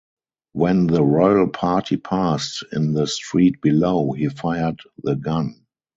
When the royal party passed in the street below, he fired the gun.